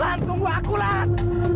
lan tunggu aku lan